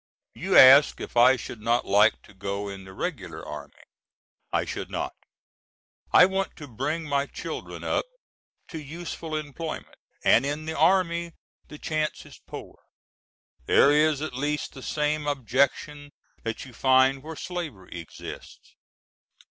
You ask if I should not like to go in the regular army. I should not. I want to bring my children up to useful employment, and in the army the chance is poor. There is at least the same objection that you find where slavery exists.